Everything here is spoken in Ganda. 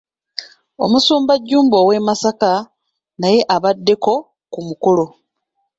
Omusumba Jjumba ow'e Masaka naye abaddeko ku mukolo.